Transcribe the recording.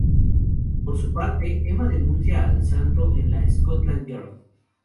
Por su parte, Emma denuncia al santo en la Scotland Yard.